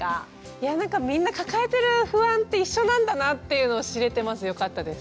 いやなんかみんな抱えてる不安って一緒なんだなっていうのを知れてまずよかったです。